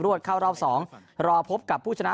วดเข้ารอบ๒รอพบกับผู้ชนะ